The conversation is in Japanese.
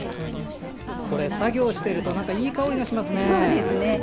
作業しているといい香りがしますね。